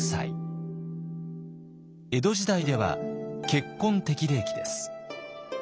江戸時代では結婚適齢期です。